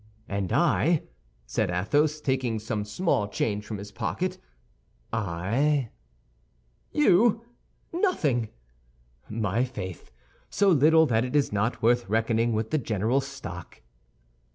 "And I," said Athos, taking some small change from his pocket, "I—" "You? Nothing!" "My faith! So little that it is not worth reckoning with the general stock."